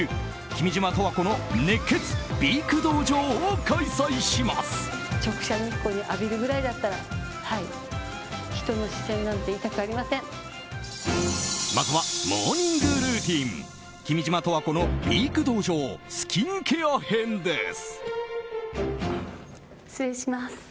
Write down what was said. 君島十和子の美育道場スキンケア編です。